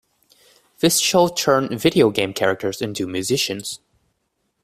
This show turned video game characters into musicians.